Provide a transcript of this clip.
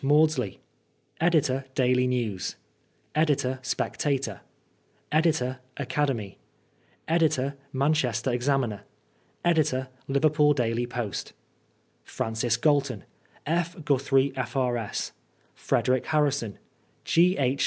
Maadsley Editor Da% Newt Editor Spectator Editor Academy Editor Manchuter Examner Editor Liverpool Bails ^^^ Francis Galton F. Guthrie, F.R.& Frederick Harrison G. H.